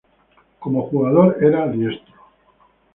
Como jugador era diestro.